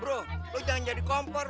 lu jangan jadi kompor